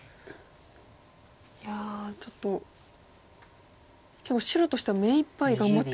いやちょっと白としては目いっぱい頑張ってるような。